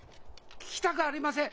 聞きたくありません！